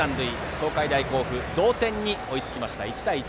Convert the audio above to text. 東海大甲府が同点に追いつきまして１対１。